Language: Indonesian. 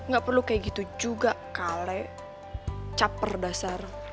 gak perlu kayak gitu juga kale caper dasar